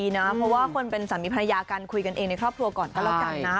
เพราะว่าคนเป็นสามีภรรยากันคุยกันเองในครอบครัวก่อนก็แล้วกันนะ